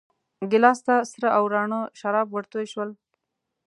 ګیلاس ته سره او راڼه شراب ورتوی شول.